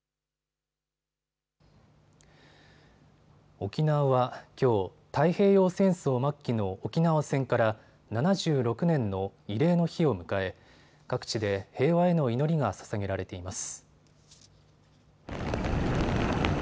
沖縄は、きょう太平洋戦争末期の沖縄戦から７６年の慰霊の日を迎え各地で平和への祈りがささげられています。